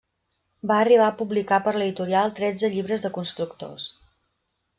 Va arribar a publicar per l'editorial tretze llibres de constructors.